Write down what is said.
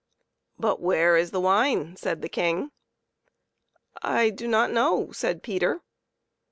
" But where is the wine ?" said the King. " I do not know," said Peter.